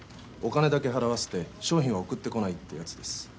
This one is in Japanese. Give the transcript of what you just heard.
お金だけ払わせて商品は送ってこないってやつです